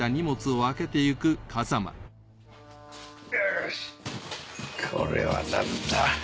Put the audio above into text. よしこれは何だ？